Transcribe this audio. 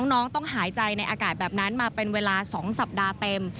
น้องต้องหายใจในอากาศแบบนั้นมาเป็นเวลา๒สัปดาห์เต็ม